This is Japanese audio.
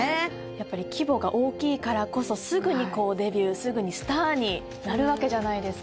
やっぱり規模が大きいからこそすぐにこうデビューすぐにスターになるわけじゃないですか。